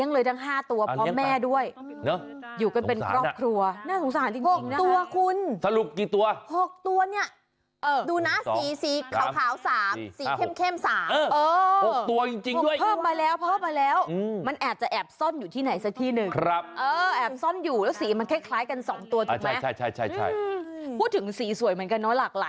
เราก็บอกว่าไหนก็ช่วยมาแล้วเนาะ